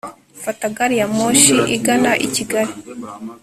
Fata gari ya moshi igana i kigali